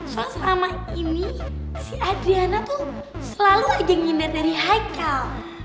soal selama ini si adriana tuh selalu aja ngindar dari haikal